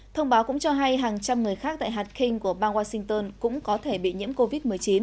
thông báo cũng cho hay hàng trăm người khác tại harking của bang washington cũng có thể bị nhiễm covid một mươi chín